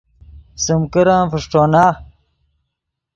سیم کرن فݰٹونا